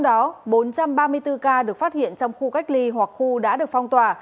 trong đó bốn trăm ba mươi bốn ca được phát hiện trong khu cách ly hoặc khu đã được phong tỏa